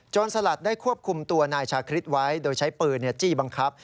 สลัดได้ควบคุมตัวนายชาคริสไว้โดยใช้ปืนจี้บังคับ